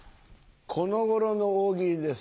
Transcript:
この頃の大喜利です。